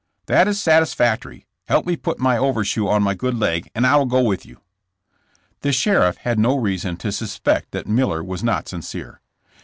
"That is satisfactory. Help me put my over shoe on my good leg and I will go with you." The sheriff had no reason to suspect that Miller was not sincere.